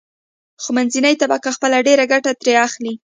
خو منځنۍ طبقه خپله ډېره ګټه ترې اخلي.